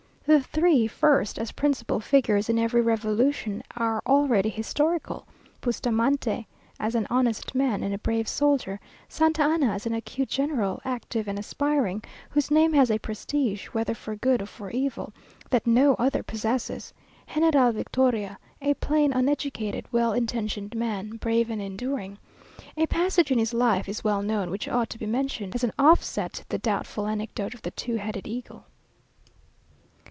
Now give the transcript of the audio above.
The three first, as principal figures in every revolution, are already historical; Bustamante as an honest man and a brave soldier; Santa Anna as an acute general, active and aspiring, whose name has a prestige, whether for good or for evil, that no other possesses; General Victoria, a plain, uneducated, well intentioned man, brave and enduring. A passage in his life is well known, which ought to be mentioned as an offset to the doubtful anecdote of the two headed eagle.